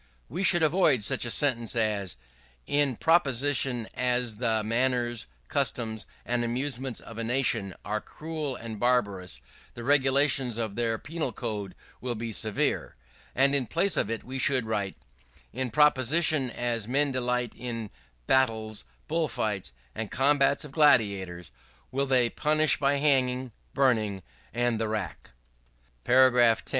We should avoid such a sentence as: "In proportion as the manners, customs, and amusements of a nation are cruel and barbarous, the regulations of their penal code will be severe." And in place of it we should write: "In proportion as men delight in battles, bull fights, and combats of gladiators, will they punish by hanging, burning, and the rack." § 10.